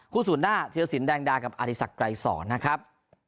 คู่สูญหน้าเทียรศิลป์แดงดากับอาริสักไกรส่อนะครับ